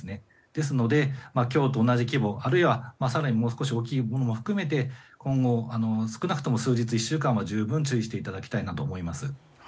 ですので、今日と同じ規模あるいは更に大きいものも含めて今後、少なくとも数日から１週間は十分注意していただきたいなと思います。